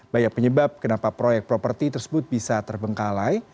banyak penyebab kenapa proyek properti tersebut bisa terbengkalai